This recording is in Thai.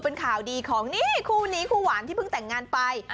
เป็นข่าวดีของนี่คู่นี้คู่หวานที่เพิ่งแต่งงานไป